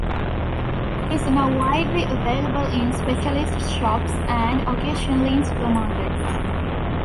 It is now widely available in specialist shops and occasionally in supermarkets.